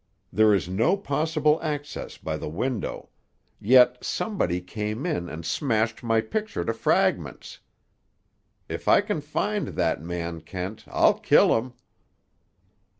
There's no possible access by the window. Yet somebody came in and smashed my picture to fragments. If I can find that man, Kent, I'll kill him!"